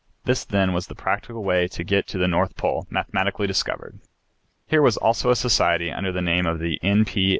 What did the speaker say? This then was the practical way to get to the North Pole mathematically discovered. Here was also a society, under the name of the N.